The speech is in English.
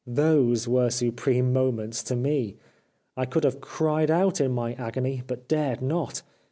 Those were supreme moments to me. I could have cried out in my agony, but dared not.